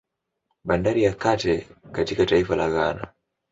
Bandari ya Kate katika taifa la Ghana